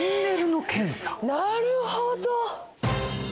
なるほど！